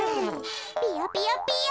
ピヨピヨピヨ。